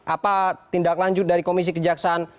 apa tindak lanjut dari komisi kejaksaan